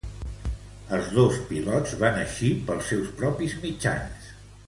Els dos pilots van eixir pels seus propis mitjans.